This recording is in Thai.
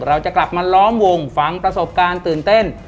เราจะกลับมาล้อมวงฟังประสบการณ์ตื่นเต้น